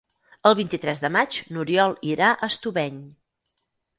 El vint-i-tres de maig n'Oriol irà a Estubeny.